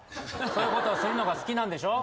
そういうことをするのが好きなんでしょ？